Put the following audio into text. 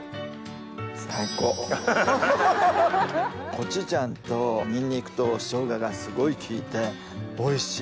コチュジャンとニンニクと生姜がすごい利いておいしい。